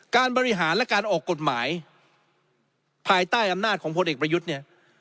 การบริหารและการออกกฎหมายภายใต้อำนาจของพลเอกประยุทธ์เนี่ย